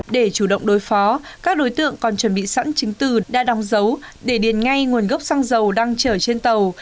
để chủ động đối phó các đối tượng còn chuẩn bị sẵn chính từ đa đong dấu để điền ngay nguồn gốc xăng dầu đang trở trên tàu